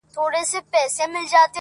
قافیلې د ستورو وتړه سالاره,